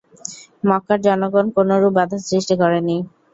মক্কার জনগণ কোনরূপ বাধার সৃষ্টি করেনি।